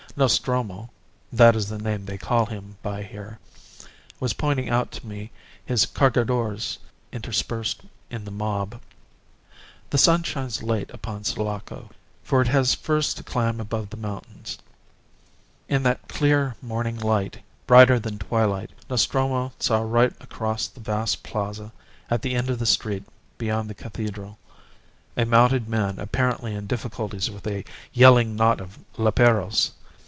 Nostromo (that is the name they call him by here) was pointing out to me his Cargadores interspersed in the mob. "The sun shines late upon Sulaco, for it has first to climb above the mountains. In that clear morning light, brighter than twilight, Nostromo saw right across the vast Plaza, at the end of the street beyond the cathedral, a mounted man apparently in difficulties with a yelling knot of leperos.